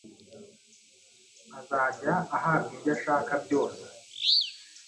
azajya ahabwa ibyo ashaka byose